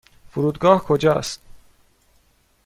فرودگاه کجا است؟